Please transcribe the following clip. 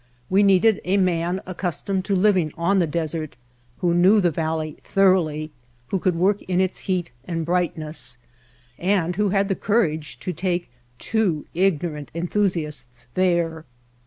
We needed a man accustomed to living on the desert, who knew the valley thoroughly, who could work in its heat and brightness, and who had the courage to take two ignorant enthusiasts there.